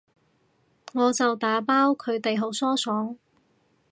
我就打包，佢哋好疏爽